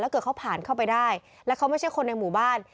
เกิดเขาผ่านเข้าไปได้แล้วเขาไม่ใช่คนในหมู่บ้าน